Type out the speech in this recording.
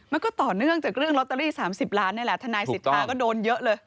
มันก็ต่อเนื่องจากเรื่องลอตเตอรี่๓๐ล้านนี่แหละทนายสิทธาก็โดนเยอะเลย